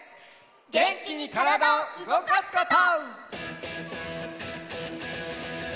げんきにからだをうごかすこと！